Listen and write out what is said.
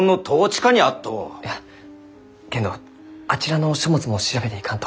いやけんどあちらの書物も調べていかんと。